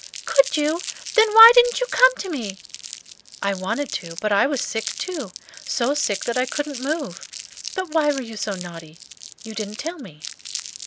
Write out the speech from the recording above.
"Could you? Then why didn't you come to me?" "I wanted to; but I was sick too, so sick that I couldn't move. But why were you so naughty? you didn't tell me."